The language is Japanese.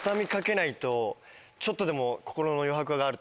ちょっとでも。